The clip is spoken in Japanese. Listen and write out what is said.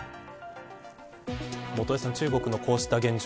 元榮さん、中国のこうした現状